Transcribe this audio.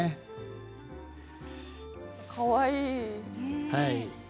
かわいい。